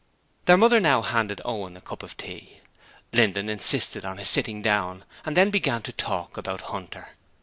Their mother now handed Owen a cup of tea. Linden insisted on his sitting down and then began to talk about Hunter.